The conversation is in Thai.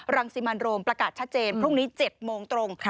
รังสิมันโรมประกาศชัดเจนพรุ่งนี้๗โมงตรง